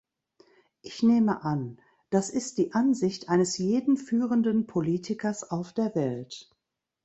Ich nehme an, dass ist die Ansicht eines jeden führenden Politikers auf der Welt.